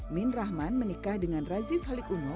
min rahman menikah dengan razif halik uno